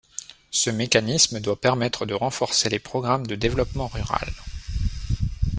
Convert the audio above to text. Ce mécanisme doit permettre de renforcer les programmes de développement rural.